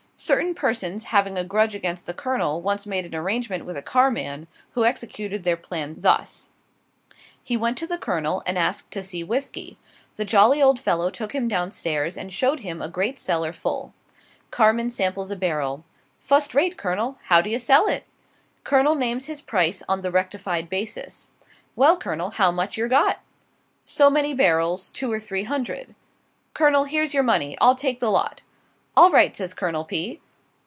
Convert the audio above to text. Certain persons having a grudge against the Colonel, once made an arrangement with a carman, who executed their plan, thus: He went to the Colonel, and asked to see whisky. The jolly old fellow took him down stairs and showed him a great cellar full. Carman samples a barrel. "Fust rate, Colonel, how d'ye sell it?" Colonel names his price on the rectified basis. "Well, Colonel, how much yer got?" "So many barrels two or three hundred." "Colonel, here's your money. I'll take the lot." "All right," says Colonel P.